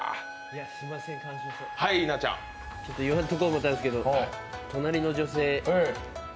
ちょっと言わんとこうと思ったんですけど、隣の女性